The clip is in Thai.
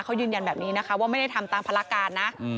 เขายืนยันแบบนี้นะคะว่าไม่ได้ทำตามภารการนะ